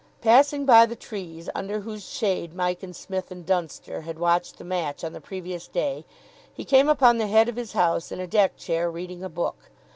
Passing by the trees under whose shade Mike and Psmith and Dunster had watched the match on the previous day, he came upon the Head of his house in a deck chair reading a book.